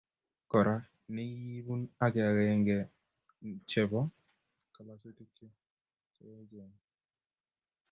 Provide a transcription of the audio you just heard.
Kora, ne kibun ak agenge chebo kalasutikchi che eechen